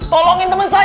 tolongin temen saya sus